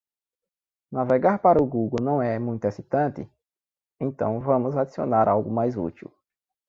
Navegar para o Google não é muito excitante?, então vamos adicionar algo mais útil.